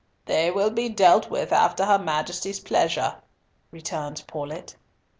"They will be dealt with after her Majesty's pleasure," returned Paulett.